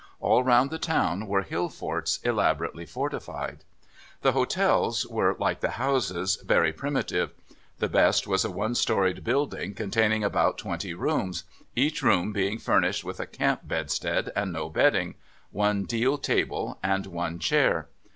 All round the town were hill forts elaborately fortified. The hotels were, like the houses, very primitive: the best was a one storied building containing about twenty rooms, each room being furnished with a camp bedstead and no bedding, one deal table, and one chair.